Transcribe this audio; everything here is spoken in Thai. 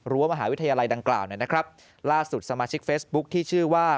รั้วมหาวิทยาลัยดังกล่าวล่าสุดสมาชิกเฟสบุ๊คที่ชื่อว่า